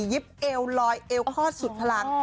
ิบเอวลอยเอวคลอดสุดพลัง